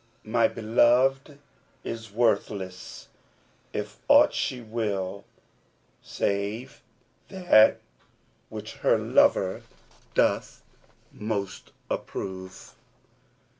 My beloved is worthless if aught she will, * Save that which her lover doth most approve.